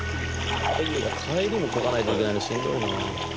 帰りもこがないといけないのしんどいな。